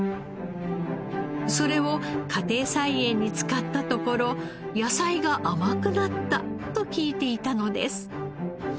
それを家庭菜園に使ったところ野菜が甘くなったと聞いていたのです。